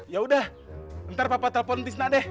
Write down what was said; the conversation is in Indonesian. ya udah ntar papa telepon tisna deh